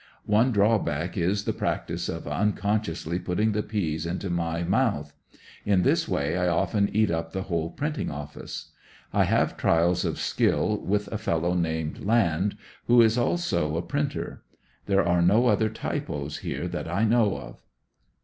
One draw back is the practice of unconsciously putting the beans into my mouth. In this way I often eat up the whole printing ofiice. I have trials of skill with a fellow named Land, who is also a prin ter. There are no other typos here that I know of.